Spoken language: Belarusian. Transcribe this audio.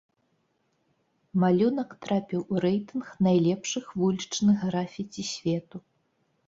Малюнак трапіў у рэйтынг найлепшых вулічных графіці свету.